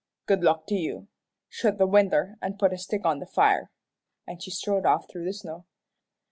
Good luck to you. Shut the winder, an' put a stick on the fire," and she strode off through the snow.